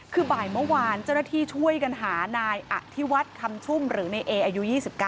คือบ่ายเมื่อวานเจ้าหน้าที่ช่วยกันหานายอธิวัฒน์คำชุ่มหรือในเออายุ๒๙